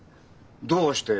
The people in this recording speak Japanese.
どうして？